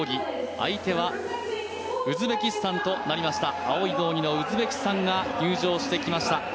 相手はウズベキスタンとなりました青い道着のウズベキスタンが入場してきました。